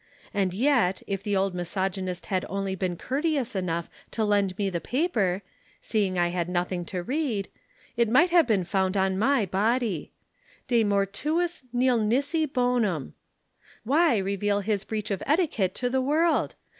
And yet if the old misogynist had only been courteous enough to lend me the paper, seeing I had nothing to read, it might have been found on my body. De mortuis nil nisi bonum. Why reveal his breach of etiquette to the world?